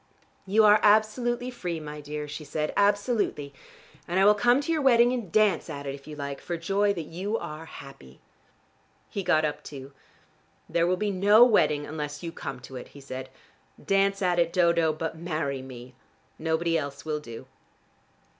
"You are absolutely free, my dear," she said. "Absolutely! And I will come to your wedding, and dance at it if you like, for joy that you are happy." He got up too. "There will be no wedding unless you come to it," he said. "Dance at it, Dodo, but marry me. Nobody else will do."